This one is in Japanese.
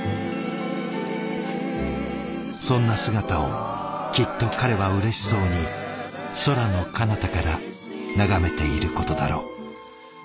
そんな姿をきっと彼はうれしそうに空のかなたから眺めていることだろう。